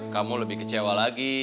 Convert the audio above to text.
kamu lebih kecewa lagi